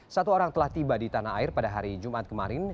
satu orang telah tiba di tanah air pada hari jumat kemarin